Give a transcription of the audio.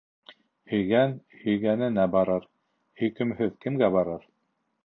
Һөйгән һөйгәненә барыр, һөйкөмһөҙ кемгә барыр?